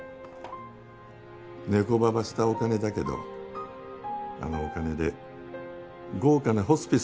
ネコババしたお金だけどあのお金で豪華なホスピスに入る事にしたの。